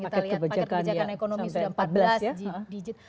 paket kebijakan ekonomi sudah empat belas digit